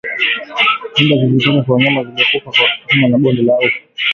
Mimba zilizotoka za wanyama waliokufa kwa homa ya bonde la ufa